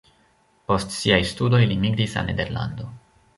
Post siaj studoj li migris al Nederlando.